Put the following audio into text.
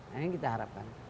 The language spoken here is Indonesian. ini yang kita harapkan